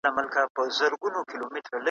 د هاند او هڅو دوام بریا رامنځته کوي.